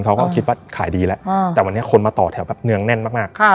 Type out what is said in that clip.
เขาก็คิดว่าขายดีแล้วแต่วันนี้คนมาต่อแถวแบบเนืองแน่นมาก